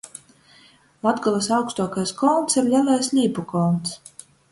Latgolys augstuokais kolns ir Lelais Līpukolns.